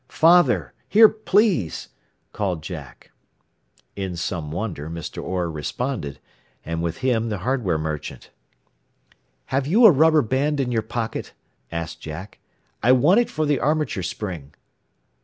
"Father! Here, please!" called Jack. In some wonder Mr. Orr responded, and with him the hardware merchant. "Have you a rubber band in your pocket?" asked Jack. "I want it for the armature spring."